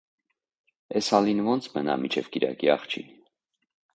Էս հալին ո՞նց մնա մինչև կիրակի, աղջի.